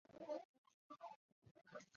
元朔匈奴祭祀祖先的龙城。